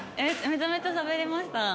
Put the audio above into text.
めちゃめちゃしゃべりました。